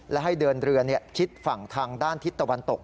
และให้เดินเรือชิดฝั่งทางด้านทิศตะวันตก